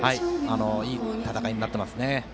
いい戦いになっていますね。